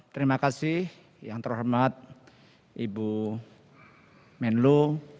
terima kasih yang terhormat ibu menlu